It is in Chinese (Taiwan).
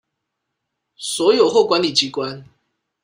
所有或管理機關